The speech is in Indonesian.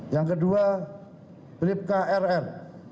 yang kedua blipka rr